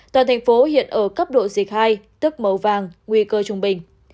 toàn thành phố hiện ở cấp độ dịch hai tức màu vàng nguy cơ trung bình